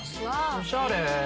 おしゃれ！